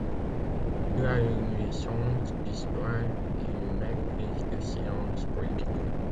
Il a une licence d'histoire et une maîtrise de science politique.